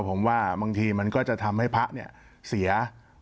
ผมว่าบางทีมันก็จะทำให้พระเนี่ยเสีย